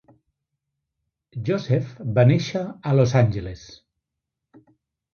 Joseph va néixer a Los Angeles.